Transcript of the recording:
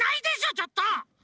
ちょっと！